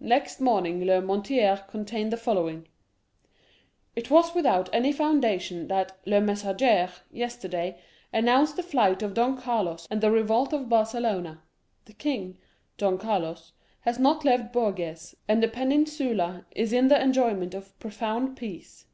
Next morning Le Moniteur contained the following: "It was without any foundation that Le Messager yesterday announced the flight of Don Carlos and the revolt of Barcelona. The king (Don Carlos) has not left Bourges, and the peninsula is in the enjoyment of profound peace.